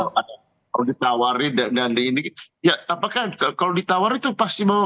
kalau ditawari dan ini ya apakah kalau ditawar itu pasti mau